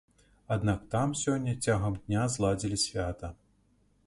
Аднак там сёння цягам дня зладзілі свята.